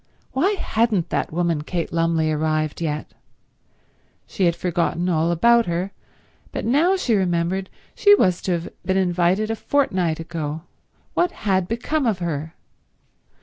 Why hadn't that woman Kate Lumley arrived yet? She had forgotten all about her, but now she remembered she was to have been invited a fortnight ago. What had become of her?